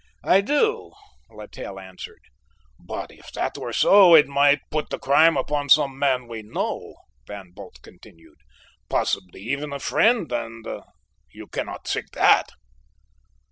"I do," Littell answered. "But if that were so, it might put the crime upon some man we know," Van Bult continued, "possibly even a friend and you cannot think that?"